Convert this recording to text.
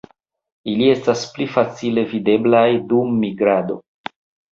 Ili estas pli facile videblaj dum migrado.